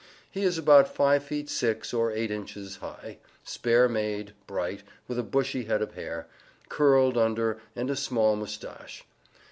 He is about 5 feet 6 or 8 inches high, spare made, bright, with a bushy head of hair, curled under and a small moustache.